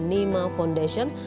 sedepen bunu nang